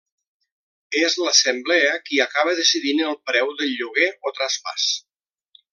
És l'assemblea qui acaba decidint el preu del lloguer o traspàs.